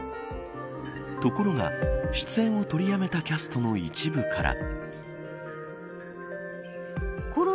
ところが出演を取りやめたキャストの一部から。